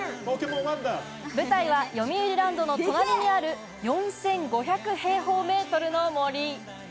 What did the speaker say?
舞台は、よみうりランドの隣にある４５００平方メートルの森。